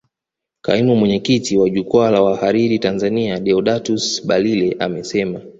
Kaimu mwenyekiti wa jukwaa la wahariri Tanzania Deodatus Balile amesema